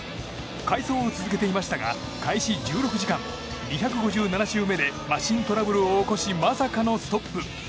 快走を続けていましたが開始１６時間２５７周目でマシントラブルを起こしまさかのストップ。